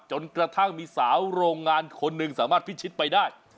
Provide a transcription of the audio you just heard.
จนกระทั่งมีสาวโรงงานคนหนึ่งสามารถพิชิตไปได้